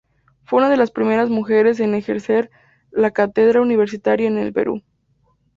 Fue una de las primeras mujeres en ejercer la cátedra universitaria en el Perú.